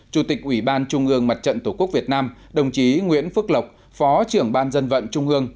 chủ tịch ủy ban trung ương mặt trận tổ quốc việt nam đồng chí nguyễn phước lộc phó trưởng ban dân vận trung ương